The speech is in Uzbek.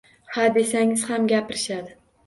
“Ha”, desangiz ham gapirishadi.